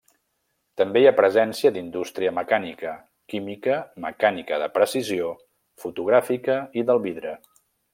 També hi ha presència d'indústria mecànica, química, mecànica de precisió, fotogràfica i del vidre.